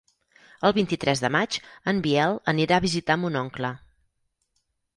El vint-i-tres de maig en Biel anirà a visitar mon oncle.